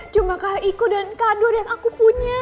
cuma kak iko dan kak nur yang aku punya